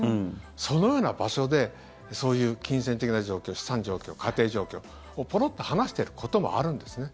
そのような場所でそういう金銭的な状況資産状況、家庭状況ポロッと話していることもあるんですね。